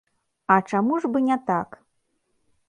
А чаму ж бы не так?